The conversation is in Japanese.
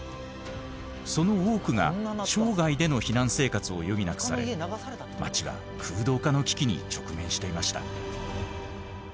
その多くが町外での避難生活を余儀なくされ町は空洞化の危機に直面していました。